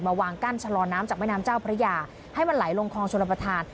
วางกั้นชะลอน้ำจากแม่น้ำเจ้าพระยาให้มันไหลลงคลองชนประธาน